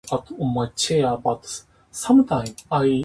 芝生に座って昼ごはんを食べた